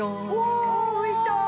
おお浮いた！